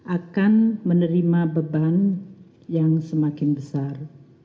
akan menerima beban yang semakin besar